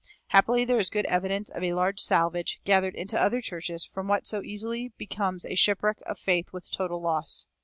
Happily there is good evidence of a large salvage, gathered into other churches, from what so easily becomes a shipwreck of faith with total loss.